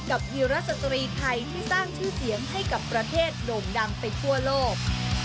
วีรสตรีไทยที่สร้างชื่อเสียงให้กับประเทศโด่งดังไปทั่วโลก